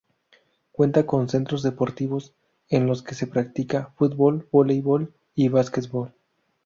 Cuenta con centros deportivos, en los que se practica: fútbol, voleibol y basquetbol;.